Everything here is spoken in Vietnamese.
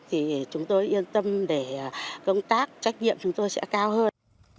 thì chúng tôi yên tâm để công tác trách nhiệm chúng tôi sẽ cao hơn